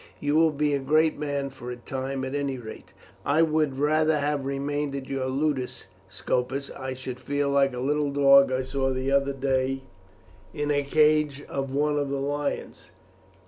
You will be a great man, for a time at any rate." "I would rather have remained at your ludus, Scopus. I shall feel like a little dog I saw the other day in a cage of one of the lions.